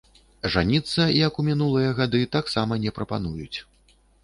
Жаніцца, як у мінулыя гады, таксама не прапануюць.